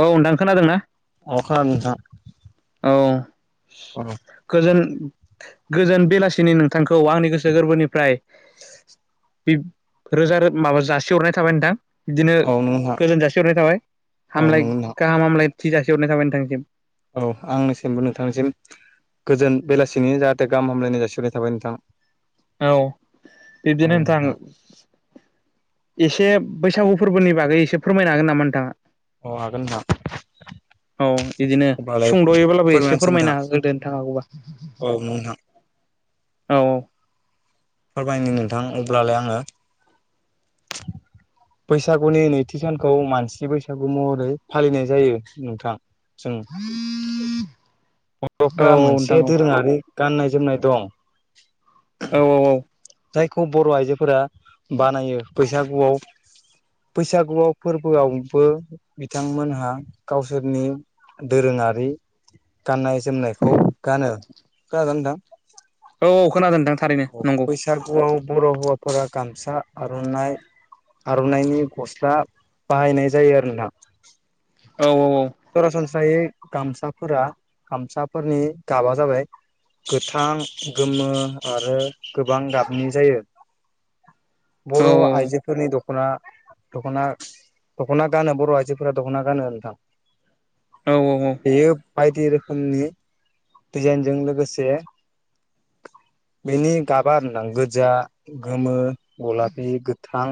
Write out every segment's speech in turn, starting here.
औ नोंथां खोनादोंना अखा नोंथां। औ औ गोजोन गोजोन बेलासिनि नोंथांखौ आंनि गोसो गोरबोनिफ्राय बिब रोजा रोत माबा जासिहरनाय थाबाय नोंथां। बिदिनो औ नंगौ नोंथां गोजोन जासिहरनाय थाबाय औ हामलाय नंगौ नोंथां गाहाम हामलाय थि जासि खिथि हरनाय थाबाय नोंथांसिम। औ आंनिसिमबो नोंथांनिसिम गोजोन बेलासिनि जाहाथे गाह हामलायनाय जासिहरननाय थाबाय नोंथांआ औ बिब्दिनो नोंथां एसे बैसागु फोरबोनि बागै एसे फोरमायनो हागोन नामा नोंथाङा अ हागोन नोंथां। औ बिदिनो अब्लालाय सुंद'योब्लाबो एसे फोरमायनोसै नोंथां फोरमायना होदो नोंथां हागौबा औ नोंथां औ। फोरमायनो नोंथां अब्लालाय आङो बैसागुनि नैथि सानखौ मानसि बैसागु महरै फालिनाय जायो नोंथां। जों औ बर'फ्रा नोंथां मोनसे औ दोरोङारि गाननाय जोमनाय दं। औ औ औ जायखौ बर' आइजोफोरा बानायो बैसागुआव बैसागुआव फोरबोआवबो बिथांमोनहा गावसोरनि दोरोङारि गाननाय जोमनायखौ गानो खोनादोंना नोंथां। औ खोनादों नोंथां। थारैनो नंगौ बैसागुआव बर' हौवाफोरा गामसा, आर'नाइ आर'नाइनि गस्ला बाहायनाय जायो आरोना नोंथां औ सरासनस्रायै गामसाफोरा गामसाफोरनि गाबा जाबाय। गोथां गोमो आरो गोबां गाबनि जायो। [inaudible] बर' आइजोफोरनि दख ना दख'ना दख'ना गानो बर' आइजोफोरा दख'ना गानो नोंथां। औ बेयो बायदि रोखोमनि डजाइनजों लोगोसे बेनि गाबा होनदां गोजा गोमो गलाफि गोथां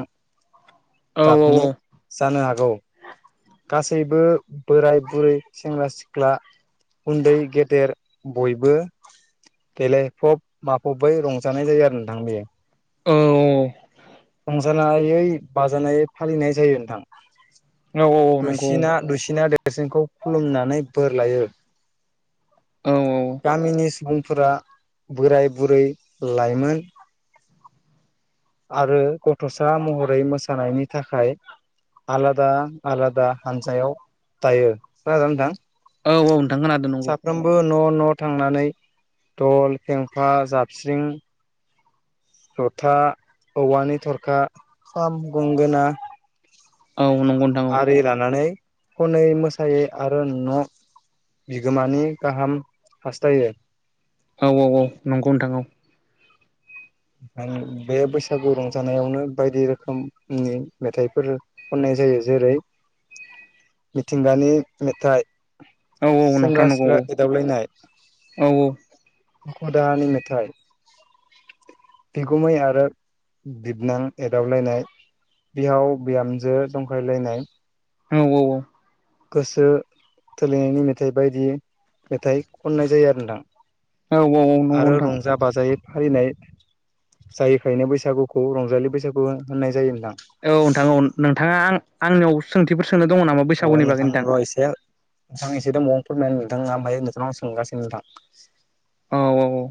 औ गाबनि औ जानो हागौ गासैबो बोराय बुरै सेंग्रा सिख्ला उन्दै गेदेर बयबो देलायफब माफब बै रंजानाय जायो आरो नोंथां बे औ रंजानायै बाजानायै फालिनाय जायो नोंथां। औ नंगौ दुइसिना दुइसिना देरसिनखौ खुलुमनानै बोर लायो। औ गामिनि सुबुं फोरा बोराय बुरै लाइमोन आरो गथ'सा महरै मोसानायनि थाखाय आलादा आलादा हानजायाव थायो खोनादोंना नोंथां औ औ नोंथां खोनादों नंगौ। साफ्रोमबो न' न' थांनानै दल, फेंफा, जाबस्रिं जथा औवानि थरखा, खाम, ‌ गंगोना औ नंगौ नोंथां औ आरि लानानै खनै मोसायै आरो न' बिगोमानि गाहाम हास्थायो। औ औ औ नंगौ नोंथां औ आं बे बैसागु रंजानायावनो बायदि रोखोमनि मेथाइफोर खननाय जायो जेरै [inaudible] मिथिंगानि मेथाइ औ औ नोंथां सेंग्रा नंगौ सिख्ला औ एदावलायनाय औ दुखु दाहानि मेथाइ बिगुमै आरो बिबनां एदावलायनाय बिहाव बिहामजो जंखायलायनाय औ औ औ गोसो थोलायनायनि मेथाइ बायदि मेथाइ खननाय जायो आरो नोंथां। आरो नोंथां रंजा बाजायै फालिनाय जायैखायनो बैसागुखौ रंजालि बैसागु होननाय जायो नोंथां। औ नोंथां औ नोंथाङा आं आंनियाव सोंथिफोर सोंनो दङ नामा अ बैसागुनि बागै नोंथां र' एसे नोंथां एसे दङ नोंथां आ ओमफाय नोंनाव सोंगासिनो दां औ औ औ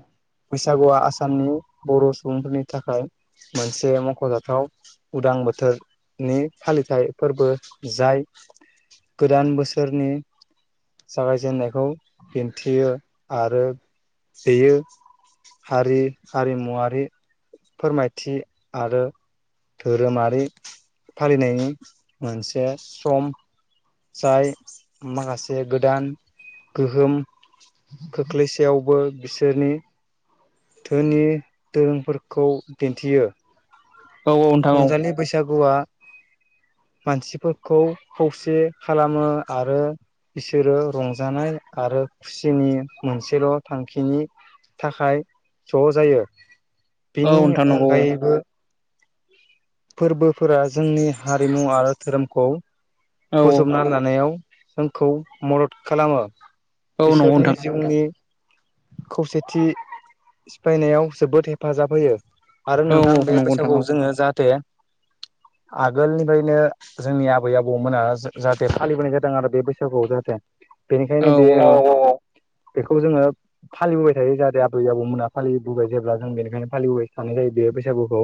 बैसागुआ आसामनि बर' सुबुंफोरनि थाखाय मोनसे मख'जाथाव उदां बोथोरनि फालिथाय फोरबो जाय गोदान बोसोरनि जागायजेननायखौ दिन्थियो आरो बेयो हारि हारिमुवारि फोरमायथि आरो धोरोमारि फालिनायनि मोनसे सम जाय माखासे गोदान गोहोम खोख्लैसेयावबो बिसोरनि धोनि दोरोंफोरखौ दिन्थियो औ औ नोंथां औ हौवा मानसिफोरखौ खौसे खालामो आरो बिसोरो रंजानाय आरो खुसिनि मोनसेल' थांखिनि थाखाय ज' जायो औ बेनि नोंथां नंगौ अनगायैबो फोरबोफोरा जोंनि हारिमु आरो धोरोमखौ औ बोजबना लानायाव जोंखौ मदद खालामो। औ औ नंगौ बिसोरनि नोंथां जिउनि खौसेथि सिफायनायाव जोबोद हेफाजाब होयो आरो औ नोंथां औ बे नंगौ नोंथां बैसागु औ जोङो जाहाथे [inaudible] आगोलनिफ्रायनो जोंनि आबै आबौमोना जाहाथे फालिबोनाय जादों आरो बे बैसागु जाहाथे बेनिखायनो बे औ औ औ बेखौ जोङो फालिबोबाय थायो जाहाथे आबै आबौमोना फालिबोबाय जेब्ला जों बेखायनो फालिबोबाय थानाय जायो बे बैसागुखौ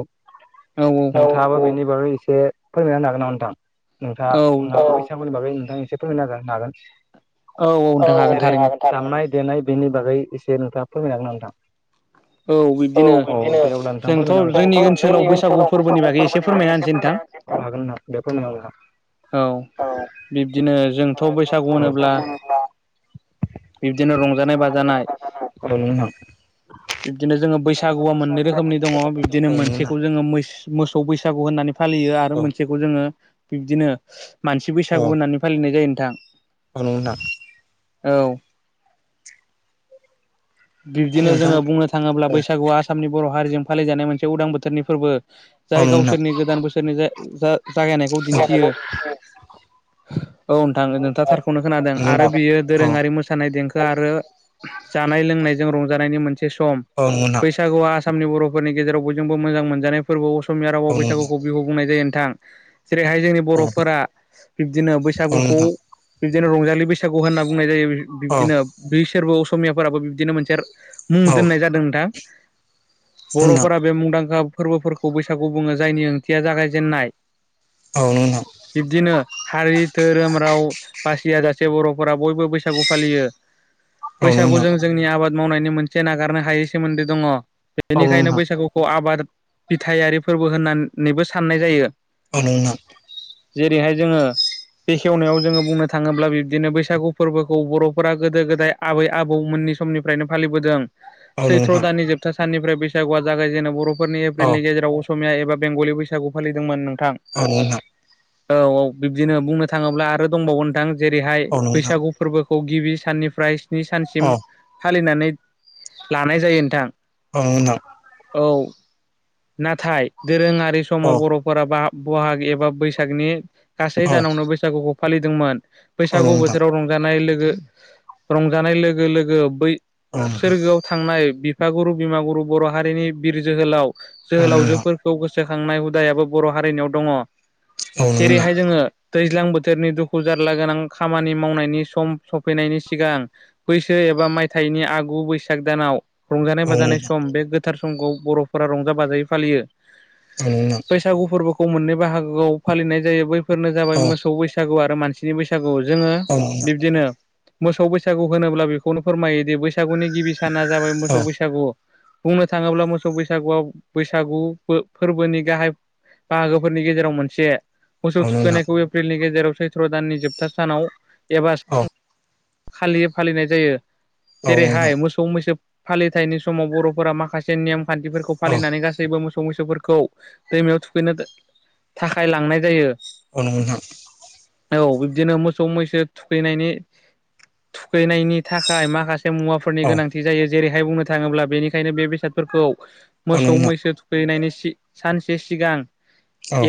औ न थाङाबा बेनो एसे फोरमायना होनो हागोन नामा नोंथां औ नोंथाङा बैसागुनि बागै एसे फोरमायना होनो हागोन नोंथां हागोन जेरै थारैनो दामनाय देनाय बेनि बागै एसे नोंथाङा फोरमायनो हगोनना नोंथां? औ बिदिनोब्लााय जोंथ' जोंनि ओनसोलाव बैसागु फोरबोनि बागै एसे फोरमायना हागोनना [unintelligible] औ बिब्दिनो जोंथ' बैसागु होनोब्ला बिब्दिनो रंजानाय बाजानाय औ नंगौ नोंथां बिब्दिनो जोङो बैसा बैसागुआ मोननै रोखोमनि दङ बिब्दिनो औ नंगौ मोनसेखौ नोंथां जोङो मोसौ बैसागु होननानै फालियो आरो औ मोनसेखौ जोङो बिब्दिनो मानसि औ बैसागु होननानै फालिनाय जायो नोंथां। [unintelligible] औ बिब्दिनो जोङो बुंनो थाङोब्ला बैसागुआ आसामनि बर' हारिजों फालिजानाय मोनसे उदां बोथोरनि फोरबो। औ नोंथां औ जाय नंगौ गावसोरनि गोदान बोसोरनि जा-जा-जागायनायखौ दिन्थियो औ नोंथां नोंथाङा थारखौनो खोनादों नोंथां औ नंगौ नोंथां आरो औ नंगौ नोंथां औ नंगौ नोंथां औ नंगौ नोंथां औ नोंथां औ नंगौ नोंथां औ नंगौ नोंथां औ नंगौ नोंथां औ नंगौ नोंथां औ नंगौ नोंथां औ बियो दोरोङारि मोसानाय देंखो आरो जानाय लोंनाय जों रंजानायनि मोनसे सम बैसागुआ आसामनि बर'फोरनि गेजेराव बयजोंबो मोजां मोनजानाय फोरबोआव समिया रावआव बैसागुखौ बिहु बुंनाय जायो नोंथां। जेरैहाय जोंनि बर'फोरा बिब्दिनो बैसागुखौ बिदिनो रंजालि बैसागु बैसागु होनना बुंनाय जायो बिब्दिनो बिसोरबो असमियाफोराबो बिदिनो मोनसे मुं दोननाय जादों नोंथां। बर'फोरा बे मुंदांखा फोरबोफोरखौ बैसागु बुङो जायनि ओंथिया जागायजेननाय बिबदिनो हारि धोरोम राव बासिया जा से बर'फोरा बयबो बैसागु फालियो बैसागु जों जोंनि आबाद मावनायनि मोनसे नागारनो हायै सोमोन्दै दङ बेनिखायनो बैसागुखौ आबाद फिथायारि फोरबो होननानैबो साननाय जायो। [unintelligible] जेरैहाय जोङो बेखेवनायाव जोङो बुंनो थाङोब्ला बिब्दिनो बैसागु फोरबोखौ बर'फोरा गोदो गोदाय आबै आबौमोननि समनि फ्राइनो फालिबोदों सैथ्र' दाननि जोबथा साननिफ्राय बैसागुआ जागायजेनो बर' फोरनि एप्रिलनि गेजेराव असमिया एबा बेंगलि बैसागु फालिदोंमोन नों औ नोंथां औ औ बिब्दिनो बुंनो थाङोब्ला आरो दंबावो नोंथां जेरैहाय औ नंगौ नोंथां बैसागु फोरबोखौ गिबि साननिफ्राय स्नि औ सानसिम फालिनानै लानाय जायो नोंथां। औ नोंथां औ नाथाय दोरोङारि समाव बर'फोरा बा बहाग एबा बैसागनि गासै दानावनो बैसागुखौ फालिदोंमोन बैसागु नोंथां बोथोराव रंजानाय लोगो ओ रंजानाय लोगो लोगो बै औ सोरगोआव थांनाय बिफागुरु बिमाागुरु बर' हारिनि बिर जोहोलाव औ जोहोलावजोफोरखौ गोसो सोखांनाय हुदायाबो बर' हारिनियाव दङ औ नंगौ नोंथां औ नोंथां जेरैहाय जोङो दैज्लां बोथोरनि दुखु जारला गोनां खामानि मावनायनि सम सफैनायनि सिगां बैसो एबा मायथाइनि आगु बैसाग दानाव रंजानाय औ बाजानाय सम बे गोथार समखौ बर'फोरा रंजा बाजायै फालियो। नंगौ नोंथां बैसागु फोरबोखौ मोननै बाहागोआव फालिनाय जायो बै फोरनो औ जाबाय मोसौ बैसागु आरो मानसिनि बैसागु जोङो औ नोंथां बिब्दिनो मोसौ बैसागु होनोब्ला बेखौनो फोरमायोदि बैसागुनि गिबि साना जाबाय मोसौ बैसागु। बुंनो थाङोब्ला मोसौ बैसागुआव बैसागु‌ फो-फोरबोनि गाहाय बाहागोफोरनि गेजेराव मोनसे। मोसौ थुखैनायखौ एप्रिलनि गेजेराव सैथ्र' दाननि जोबथा सानाव एबा औ खालि फालिनाय जायो औ नोंथां औ नंगौ नोंथां जेरैहाय मोसौ मैसो फालिथायनि समाव बर'फोरा माखासे नेयम खान्थिफोरखौ औ फालिनानै गा मोसौ मैसोफोरखौ दैमायाव थुखैनो थाखाय लांनाय जायो। ओ नंगौ नोंथां औ बिब्दिनो मोसौ मैसो थुखैनायनि थुखैनायनि थाखाय माखा से मुवाफोरनि औ औ नंगौ नोंथां औ नोंथां औ नोंथां औ नोंथां गोनांथि जायो जेरैहाय बुंनो थाङोब्ला बेनिखायनो बे बेसादफोरखौ औ नोंथां मोसौ मैसो फैनायनि सि सानसे सिगां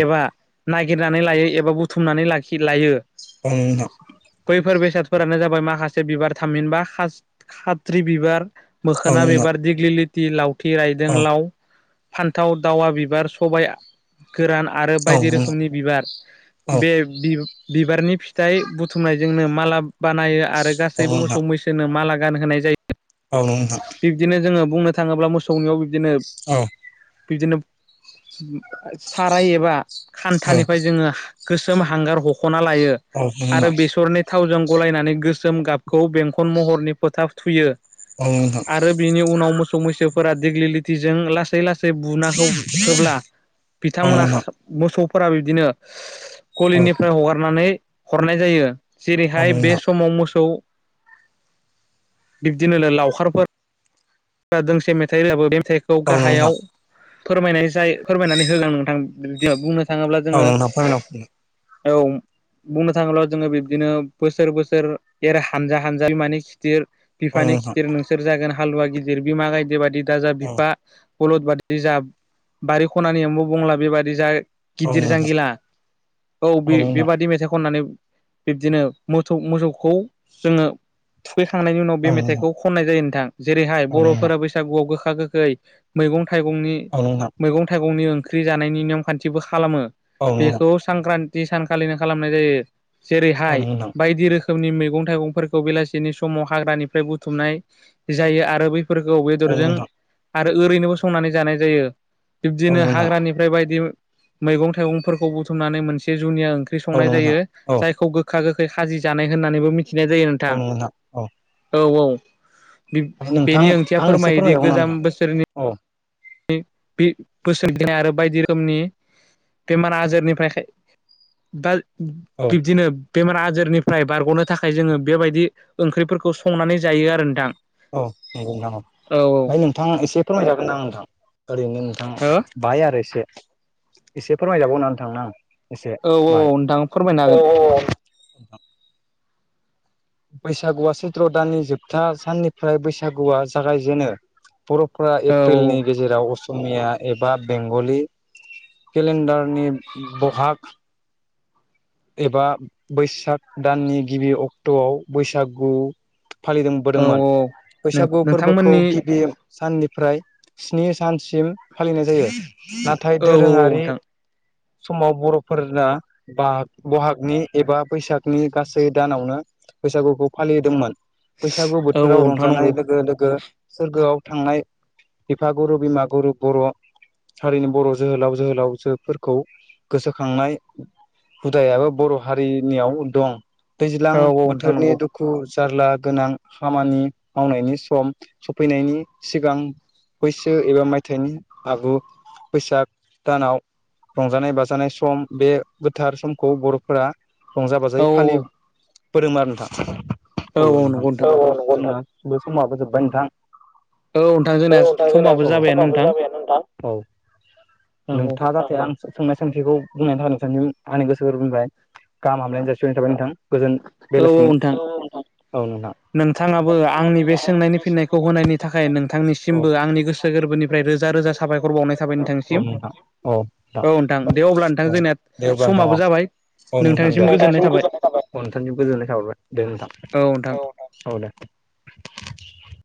एबा नागिरनानै लायो एबा बुथुमनानै लाखि लायो। ओं नोंथां। बैफोर बेसादफोरानो जाबाय माखासे बिबार थामहिनबा खाथ्रि बिबार मोखोना बिबार दिग्लि लितिल आइजें लावथि लावथि रायदों लाव फान्थाव, दावा बिबार, सबाय गोरान आरो बायदि रोखोमनि बिबार बे बि बिबारनि फिथाइ बुथुमनायजोंनो माला बानायो आरो गासैबो मोसौ मैसोनो माला गान होनाय जायो औ नोंथां बिब्दिनो जोङो बुंनो थाङोब्ला मोसौनियाव बिब्दिनो फोरमायना बिदिनो साराय एबा खान्थानिफ्राय जोङो‌। गोसोम हांगार हख'ना लायो आरो हरफिनलाय बेसरनि थावजों गलायनानै गोसोम गाबखौ बेंखन महरनि फोथाब थुयो। औ नोंथां आरो बिनि उनाव मोसौ मैसोफोरा दिग्लिलिथिजों लासै लासै से बुना होब्ला बिथांमोना खा मोसौफोरा बिब्दिनो औ गलिनिफ्राय हगारनानै हरनाय जायो औ जेरैहाय बे नोंथां समाव मोसौ बिब्दिनो लावखारफोर ब्ला दोंसे मेथाइ रोजाबो बे मेथाइखौ औ गाहायाव नोंथां औ नोंथां फोरमायनाय जायो फोरमायनानै होलां नोंथां बिदि बुंनो थाङोब्ला औ जोङो नोंथां औ बुंनो थाङोब्ला' जोङो बिब्दिनो बोसोर बोसोर एरै हानजा हानजा माने गिदिर बिफानि खिदिर नोंसोर जागोन हालुवा गिदिर बिमा गायदे बायदि दाजा बिफा बलद बादि जा बारि खनानियावबो बुंला बेबादि जा औ गिदिर जांगिला औ बे बेबादि मेथाइ खननानै बिब्दिनो मोथौ मोसौ मोसौखौ जोङो थुखै खांनायनि उनाव बे मेथाइखौ नोंथां खननाय जायो नोंथां जेरैहाय बर'फोरा बैसागुआव गोखा गोखै मैगं थाइगंनि मैगं थाइगंनि ओंख्रि जानायनि नियम खान्थिबो खालामो। औ नोंथां बेखौ सांख्रान्थि सानखालिनो खालामनाय जायो औ जेरैहाय नंगौ नोंथां बायदि रोखो रोखोमनि मैगं थाइगंफोरखौ बेलासिनि समाव हाग्रानिफ्राय बुथुमनाय जायो आरो बै फोरखौ औ बेदरजों नंगौ आरो ओरैनोबो संनानै जानाय जायो। बिब्दिनो नोंथां हाग्रानिफ्राय बायदि मैगं थाइगंफोरखौ बुथुमनानै मोनसे जुनिया ओंख्रि औ संनाय नंगौ जायो नोंथां औ जायखौ गोखा गोखै खाजि जानाय होननानैबो मि थिनाय जायो नोंथां औ औ। बिब नंगौ नोंथां बेनि औ ओमफ्राय ओंथिया नोंथां आं एसे फोरमायोदि फोरमायबावगोन नामा गोजाम बोसोरनि नोंथां औ बे बोसोननाय आरो बायदि रोखोमनि बेमार आजारनिफ्राय खाय बा औ बिब्दिनो बेमार आजारनिफ्राय बारग'नो थाखाय जोङो बेबायदि ओंख्रिफोरखौ संनानै जायो आरो नोंथां औ नंगौ नामा औ ओमफ्राय नोंथां एसे फोरमायजागोन नामा? [unintelligible] ओरैनो नोंथां हो बाय आरो एसे एसे फोरमायजाबावनानै नोंथांनो आं एसे औ औ औ बाय नोंथां फोरमायनो अ हागोन अ बैसागुआ सैत्र' दाननि जोबथा साननिफ्राय बैसागुआ जागायजेनो। बर'फोरा औ एप्रिलनि गेजेराव असमिया एबा बेंगलि केलेन्डारनि बहाग एबा बैसाग दाननि गिबि अक्ट'आव बैसागु औ फालिबोदोंमोन औ बैसागु फोरबोखौ नोंथांमोननि गिबि साननि फ्राय स्नि सानसिम फालिनाय जायो नाथाय औ औ दोरोङारि नोंथां समाव बर'फोरना बाहाग बहागनि एबा बैसागनि गासै दानावनो बैसागुखौ फालिदोंमोन। बैसागु औ औ बोथोराव नोंथां नंगौ रंजानाय लोगो लोगो सोरगोआव थांनाय बिफा गुरु बिमा गुरु बर' हारिनि बर' जोहोलाव जोहोलावजोफोरखौ गोसोखांनाय हुदायाबो बर' हारिनियाव दं दैज्लां औ औ नोंथां बोथोरनि नंगौ दुखु जारला गोनां खामानि मावनायनि सम सफैनायनि सिगां बैसो एबा मायथाइनि आगु बैसाग दानाव रंजानाय बाजानाय सम बे गोथार समखौ बर'फोरा रंजा औ बाजायै औ फालिबोदों आरो नोंथां औ औ नंगौ नोथां नोंथां औ औ नंगौ नोंथां जोंना समाबो जोब्बाय नोंथां औ औ जोंना नोंथां जोंनिया समाबो जाबायानो समाबो नोंथां जाबायानो नोंथां औ औ नोंथाङा जाहाथे आं सोंनाय सोंथिखौ बुंनायनि थाखाय नोंथांनि आंनि गोसो गोरबोनिफ्राय गाहाम हामलायनाय जासिहरनाय थाबाय नोंथां गोजोन औ औ बेलासिनि नोंथां औ नोंथां नोंथाङाबो आंनि बे सोंनायनि फिननायखौ होनायनि थाखाय नोंथांनिसिमबो आंनि गोसो गोरबोनिफ्राय रोजा रोजा साफायखर बावनाय थाबाय नोंथांनिसिम बावहरनाय औ नोंथां औ नोंथां दे अब्ला नोंथां औ जोंनिया दे अब्ला नोंथां औ समाबो जाबाय औ नोंथां दे गोजोननाय नोंथांनिसिम थाबाय गोजोननाय थाबाय दे नोंथां औ दे